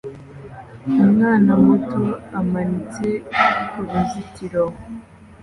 Umwana muto amanitse kuruzitiro